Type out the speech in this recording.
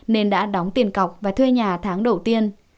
nên đã đóng tiền cọc và thuê nhà tháng đầu tiên